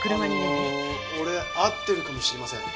あの俺会ってるかもしれません。